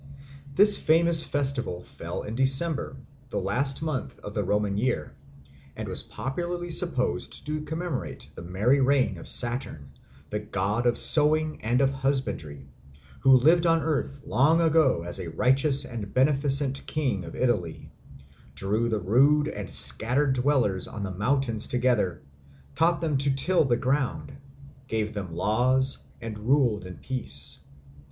This famous festival fell in December, the last month of the Roman year, and was popularly supposed to commemorate the merry reign of Saturn, the god of sowing and of husbandry, who lived on earth long ago as a righteous and beneficent king of Italy, drew the rude and scattered dwellers on the mountains together, taught them to till the ground, gave them laws, and ruled in peace.